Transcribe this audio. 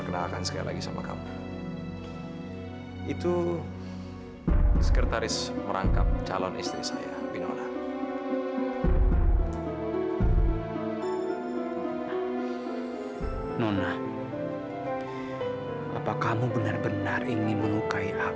nah selamat pak yudi